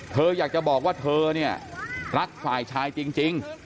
เธออยากจะบอกว่าเธอเนี่ยรักฝ่ายชายจริง